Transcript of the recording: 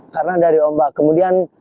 karena dari ombak kemudian